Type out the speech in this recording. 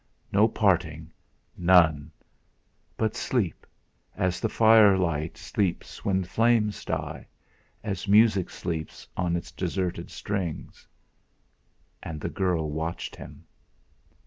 No parting. None! But sleep, as the firelight sleeps when flames die; as music sleeps on its deserted strings. And the girl watched him.